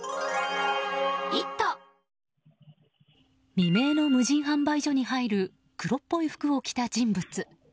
未明の無人販売所に入る黒っぽい服を着た人物。